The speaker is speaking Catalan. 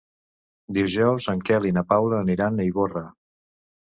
Dijous en Quel i na Paula aniran a Ivorra.